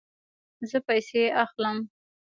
زه پیسې اخلم